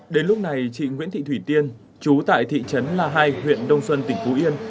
đến lúc này chị nguyễn thị thủy tiên chú tại thị trấn la hai huyện đông xuân tỉnh phú yên